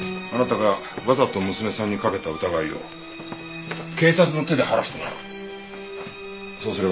あなたがわざと娘さんにかけた疑いを警察の手で晴らしてもらう。